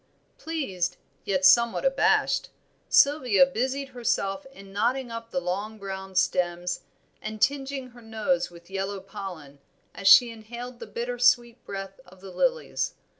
Pleased, yet somewhat abashed, Sylvia busied herself in knotting up the long brown stems and tinging her nose with yellow pollen as she inhaled the bitter sweet breath of the lilies.